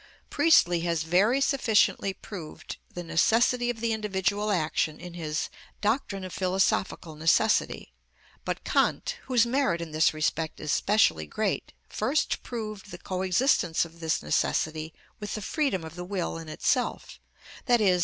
Priestley has very sufficiently proved the necessity of the individual action in his "Doctrine of Philosophical Necessity;" but Kant, whose merit in this respect is specially great, first proved the coexistence of this necessity with the freedom of the will in itself, _i.e.